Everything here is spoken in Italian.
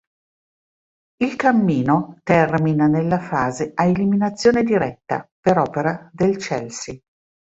Il cammino termina nella fase a eliminazione diretta, per opera del Chelsea.